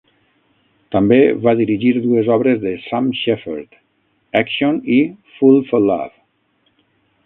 També va dirigir dues obres de Sam Shepherd: "Action" i "Fool for Love".